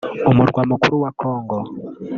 umurwa mukuru wa Congo